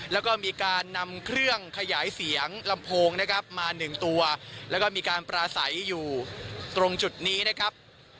แล้วก็มีการนำเครื่องขยายเสียงลำโพงนะครับมาหนึ่งตัวแล้วก็มีการปราศัยอยู่ตรงจุดนี้นะครับ